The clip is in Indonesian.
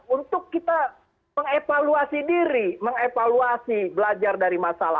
untuk kita mengevaluasi diri mengevaluasi belajar kita